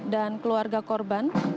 dan keluarga korban